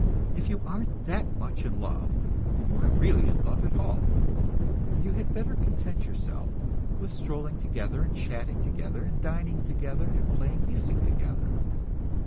If you aren't that much in love, you aren't really in love at all, and you had better content yourself with strolling together and chatting together and dining together and playing music together.